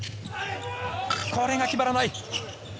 これが決まらない。